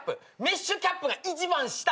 メッシュキャップが一番下。